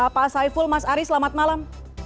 pak saiful mas ari selamat malam